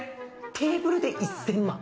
テーブルで１０００万？